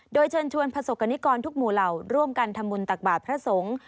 โดยเชิญชวนประสบกรณิกรทุกหมู่เหล่าร่วมกันทำบุญตักบาทพระสงฆ์